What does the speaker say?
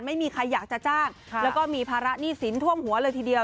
ไม่มีใครอยากจะจ้างแล้วก็มีภาระหนี้สินท่วมหัวเลยทีเดียว